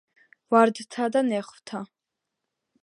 ვარდთა და ნეხვთა